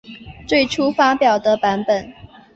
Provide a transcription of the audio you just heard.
最初发表的版本。